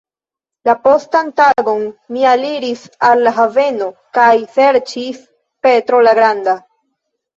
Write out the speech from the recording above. La postan tagon mi aliris al la haveno kaj serĉis "Petro la Granda".